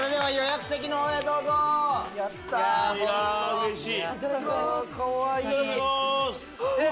うれしい！